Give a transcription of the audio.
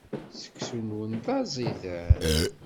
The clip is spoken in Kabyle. Seksu-nwen d aẓidan.